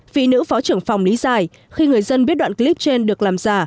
vị nữ phó trưởng phòng lý giải khi người dân biết đoạn clip trên được làm giả